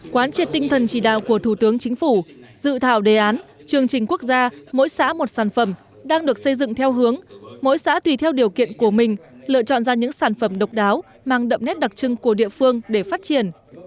quán triệt tinh thần chỉ đạo của thủ tướng chính phủ dự thảo đề án chương trình quốc gia mỗi xã một sản phẩm đang được xây dựng theo hướng mỗi xã tùy theo điều kiện của mình lựa chọn ra những sản phẩm độc đáo mang đậm nét đặc trưng của địa phương để phát triển